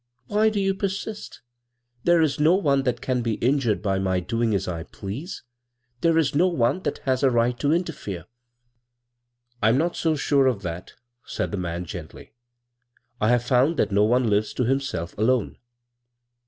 Why do you persist? There is no one that can be injured by my doing as I please. There is no one that has a right to interfere." "I'm not so sure of that," said the man gently. " I have found that no one lives to himself alone."